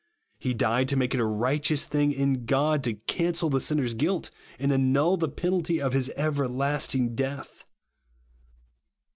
He died to make it a righteous thing in God to can cel the sinner's guilt and annul the penalty of his everlasting death.